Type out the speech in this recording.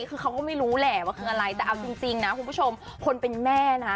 คือเขาก็ไม่รู้แหละว่าคืออะไรแต่เอาจริงนะคุณผู้ชมคนเป็นแม่นะ